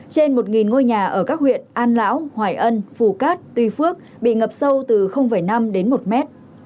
trên một ngôi nhà ở các huyện an lão hoài ân phù cát tuy phước bị ngập sâu từ năm đến một mét